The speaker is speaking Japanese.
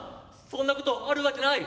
そんなことあるわけない。